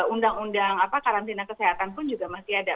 undang undang karantina kesehatan pun juga masih ada